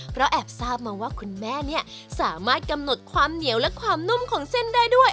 เพราะแอบทราบมาว่าคุณแม่เนี่ยสามารถกำหนดความเหนียวและความนุ่มของเส้นได้ด้วย